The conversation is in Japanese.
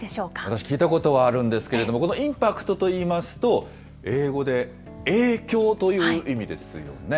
私、聞いたことはあるんですけれども、このインパクトといいますと、英語で影響という意味ですよね。